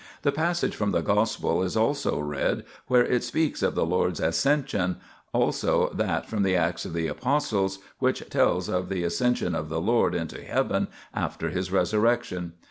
The passage from the Gospel is also read where it speaks of the Lord's Ascension, also that from the Acts of the Apostles J which tells of the Ascension of the Lord into heaven after His Resurrection.